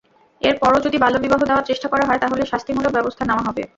এরপরও যদি বাল্যবিবাহ দেওয়ার চেষ্টা করা হয়, তাহলে শাস্তিমূলক ব্যবস্থা নেওয়া হবে।